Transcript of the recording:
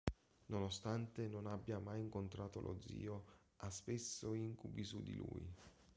Nonostante non abbia mai incontrato lo zio, ha spesso incubi su di lui.